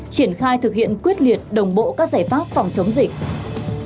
triển khai thực hiện quyết liệt đồng bộ các giải pháp phòng chống dịch